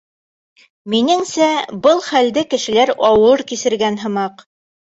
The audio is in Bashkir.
— Минеңсә, был хәлде кешеләр ауыр кисергән һымаҡ.